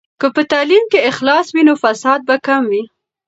که په تعلیم کې اخلاص وي، نو فساد به کم وي.